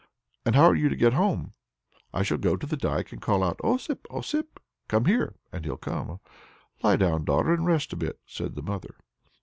"And how are you to get home?" "I shall go to the dike, and call out, 'Osip, Osip, come here!' and he'll come." "Lie down, daughter, and rest a bit," said the mother.